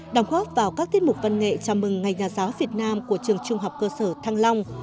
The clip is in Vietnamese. đồng góp vào các tiết mục văn nghệ chào mừng ngày nhà giáo việt nam của trường trung học cơ sở thăng long